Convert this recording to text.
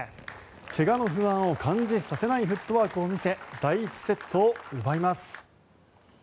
怪我の不安を感じさせないフットワークを見せ第１セットを奪います。